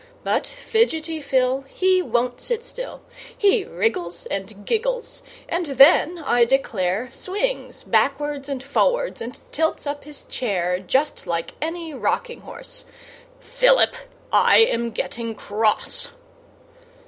But fidgety Phil, He won't sit still; He wriggles, And giggles, And then, I declare, Swings backwards and forwards, And tilts up his chair, Just like any rocking horse "Philip! I am getting cross!"